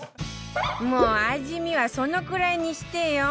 もう味見はそのくらいにしてよ